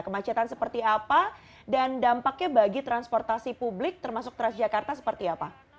kemacetan seperti apa dan dampaknya bagi transportasi publik termasuk transjakarta seperti apa